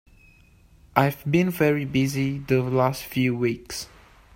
I've been very busy the last few weeks.